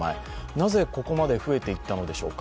なぜここまで増えていったのでしょうか。